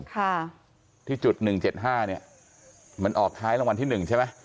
ที่จุด๑๗๕มันออกท้ายรางวัลที่๑ใช่ไหม